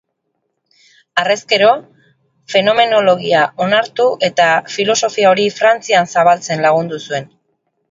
Harrezkero, fenomenologia onartu eta filosofia hori Frantzian zabaltzen lagundu zuen.